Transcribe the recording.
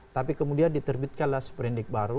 tapi kemudian diterbitkanlah seperindik baru